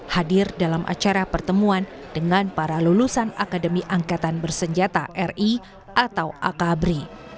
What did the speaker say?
hadir dalam acara pertemuan dengan para lulusan akademi angkatan bersenjata ri atau akabri